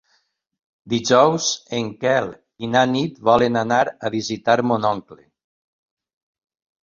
Dijous en Quel i na Nit volen anar a visitar mon oncle.